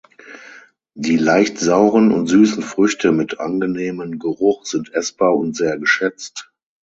Die leicht sauren und süßen Früchte mit angenehmem Geruch sind essbar und sehr geschätzt.